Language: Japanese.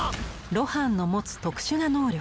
露伴の持つ特殊な能力